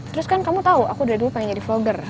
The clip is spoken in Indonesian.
terus kan kamu tahu aku dari dulu pengen jadi vlogger